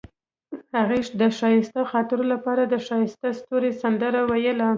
هغې د ښایسته خاطرو لپاره د ښایسته ستوري سندره ویله.